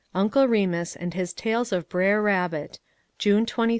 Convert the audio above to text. Uncle Remus and his tales of Brer Rabbit, July 7, 1946.